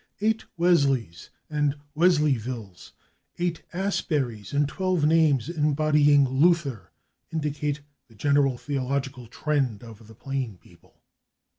Eight /Wesleys/ and /Wesleyvilles/, eight /Asburys/ and twelve names embodying /Luther/ indicate the general theological trend of the plain people.